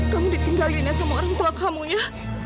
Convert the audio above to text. kamu ditinggalin sama orang tua kamu ya